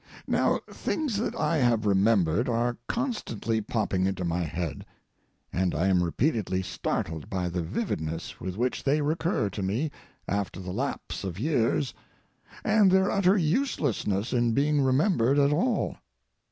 Now, things that I have remembered are constantly popping into my head. And I am repeatedly startled by the vividness with which they recur to me after the lapse of years and their utter uselessness in being remembered at all.